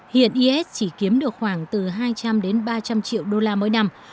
hiện is chỉ kiếm được khoảng từ hai trăm linh ba trăm linh triệu usd mỗi năm